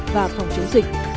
và phòng chống dịch